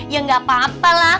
ya nggak apa apa lah